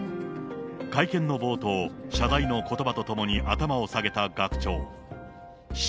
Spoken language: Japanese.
会見の冒頭、謝罪のことばとともに頭を下げた学長。